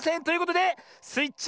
ということでスイ